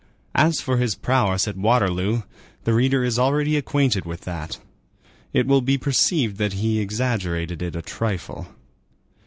As for his prowess at Waterloo, the reader is already acquainted with that. It will be perceived that he exaggerated it a trifle.